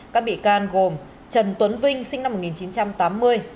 các bị can gồm trần tuấn vinh sinh năm một nghìn chín trăm tám mươi